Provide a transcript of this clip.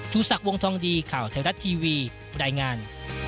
ชูสักวงธองดีข่าวแทนรัฐทีวีบรรยายงาน